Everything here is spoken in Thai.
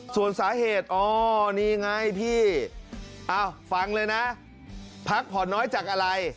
ส่วนสาเหตุอ๋อนี่ไงพี่ฟังเลยนะพักผ่อนน้อยจากอะไร